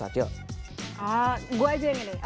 saya yang nanya dulu